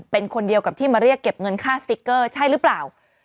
เป็นคนเดียวกับที่มาเรียกเก็บเงินค่าสติ๊กเกอร์ใช่หรือเปล่า